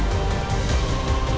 sampai jumpa lagi